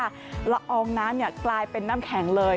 ละอองน้ำกลายเป็นน้ำแข็งเลย